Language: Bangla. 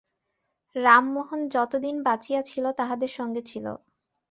রামমােহন যতদিন বাঁচিয়া ছিল, তাহাদের সঙ্গে ছিল।